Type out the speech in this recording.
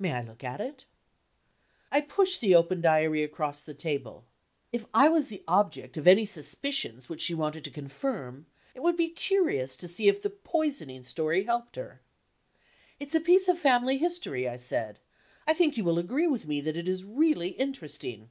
"May I look at it?" I pushed the open Diary across the table. If I was the object of any suspicions which she wanted to confirm, it would be curious to see if the poisoning story helped her. "It's a piece of family history," I said; "I think you will agree with me that it is really interesting."